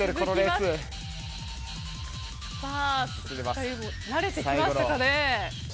２人も慣れてきましたかね。